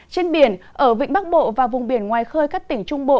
trên biển ở vịnh bắc bộ và vùng biển ngoài khơi các tỉnh trung bộ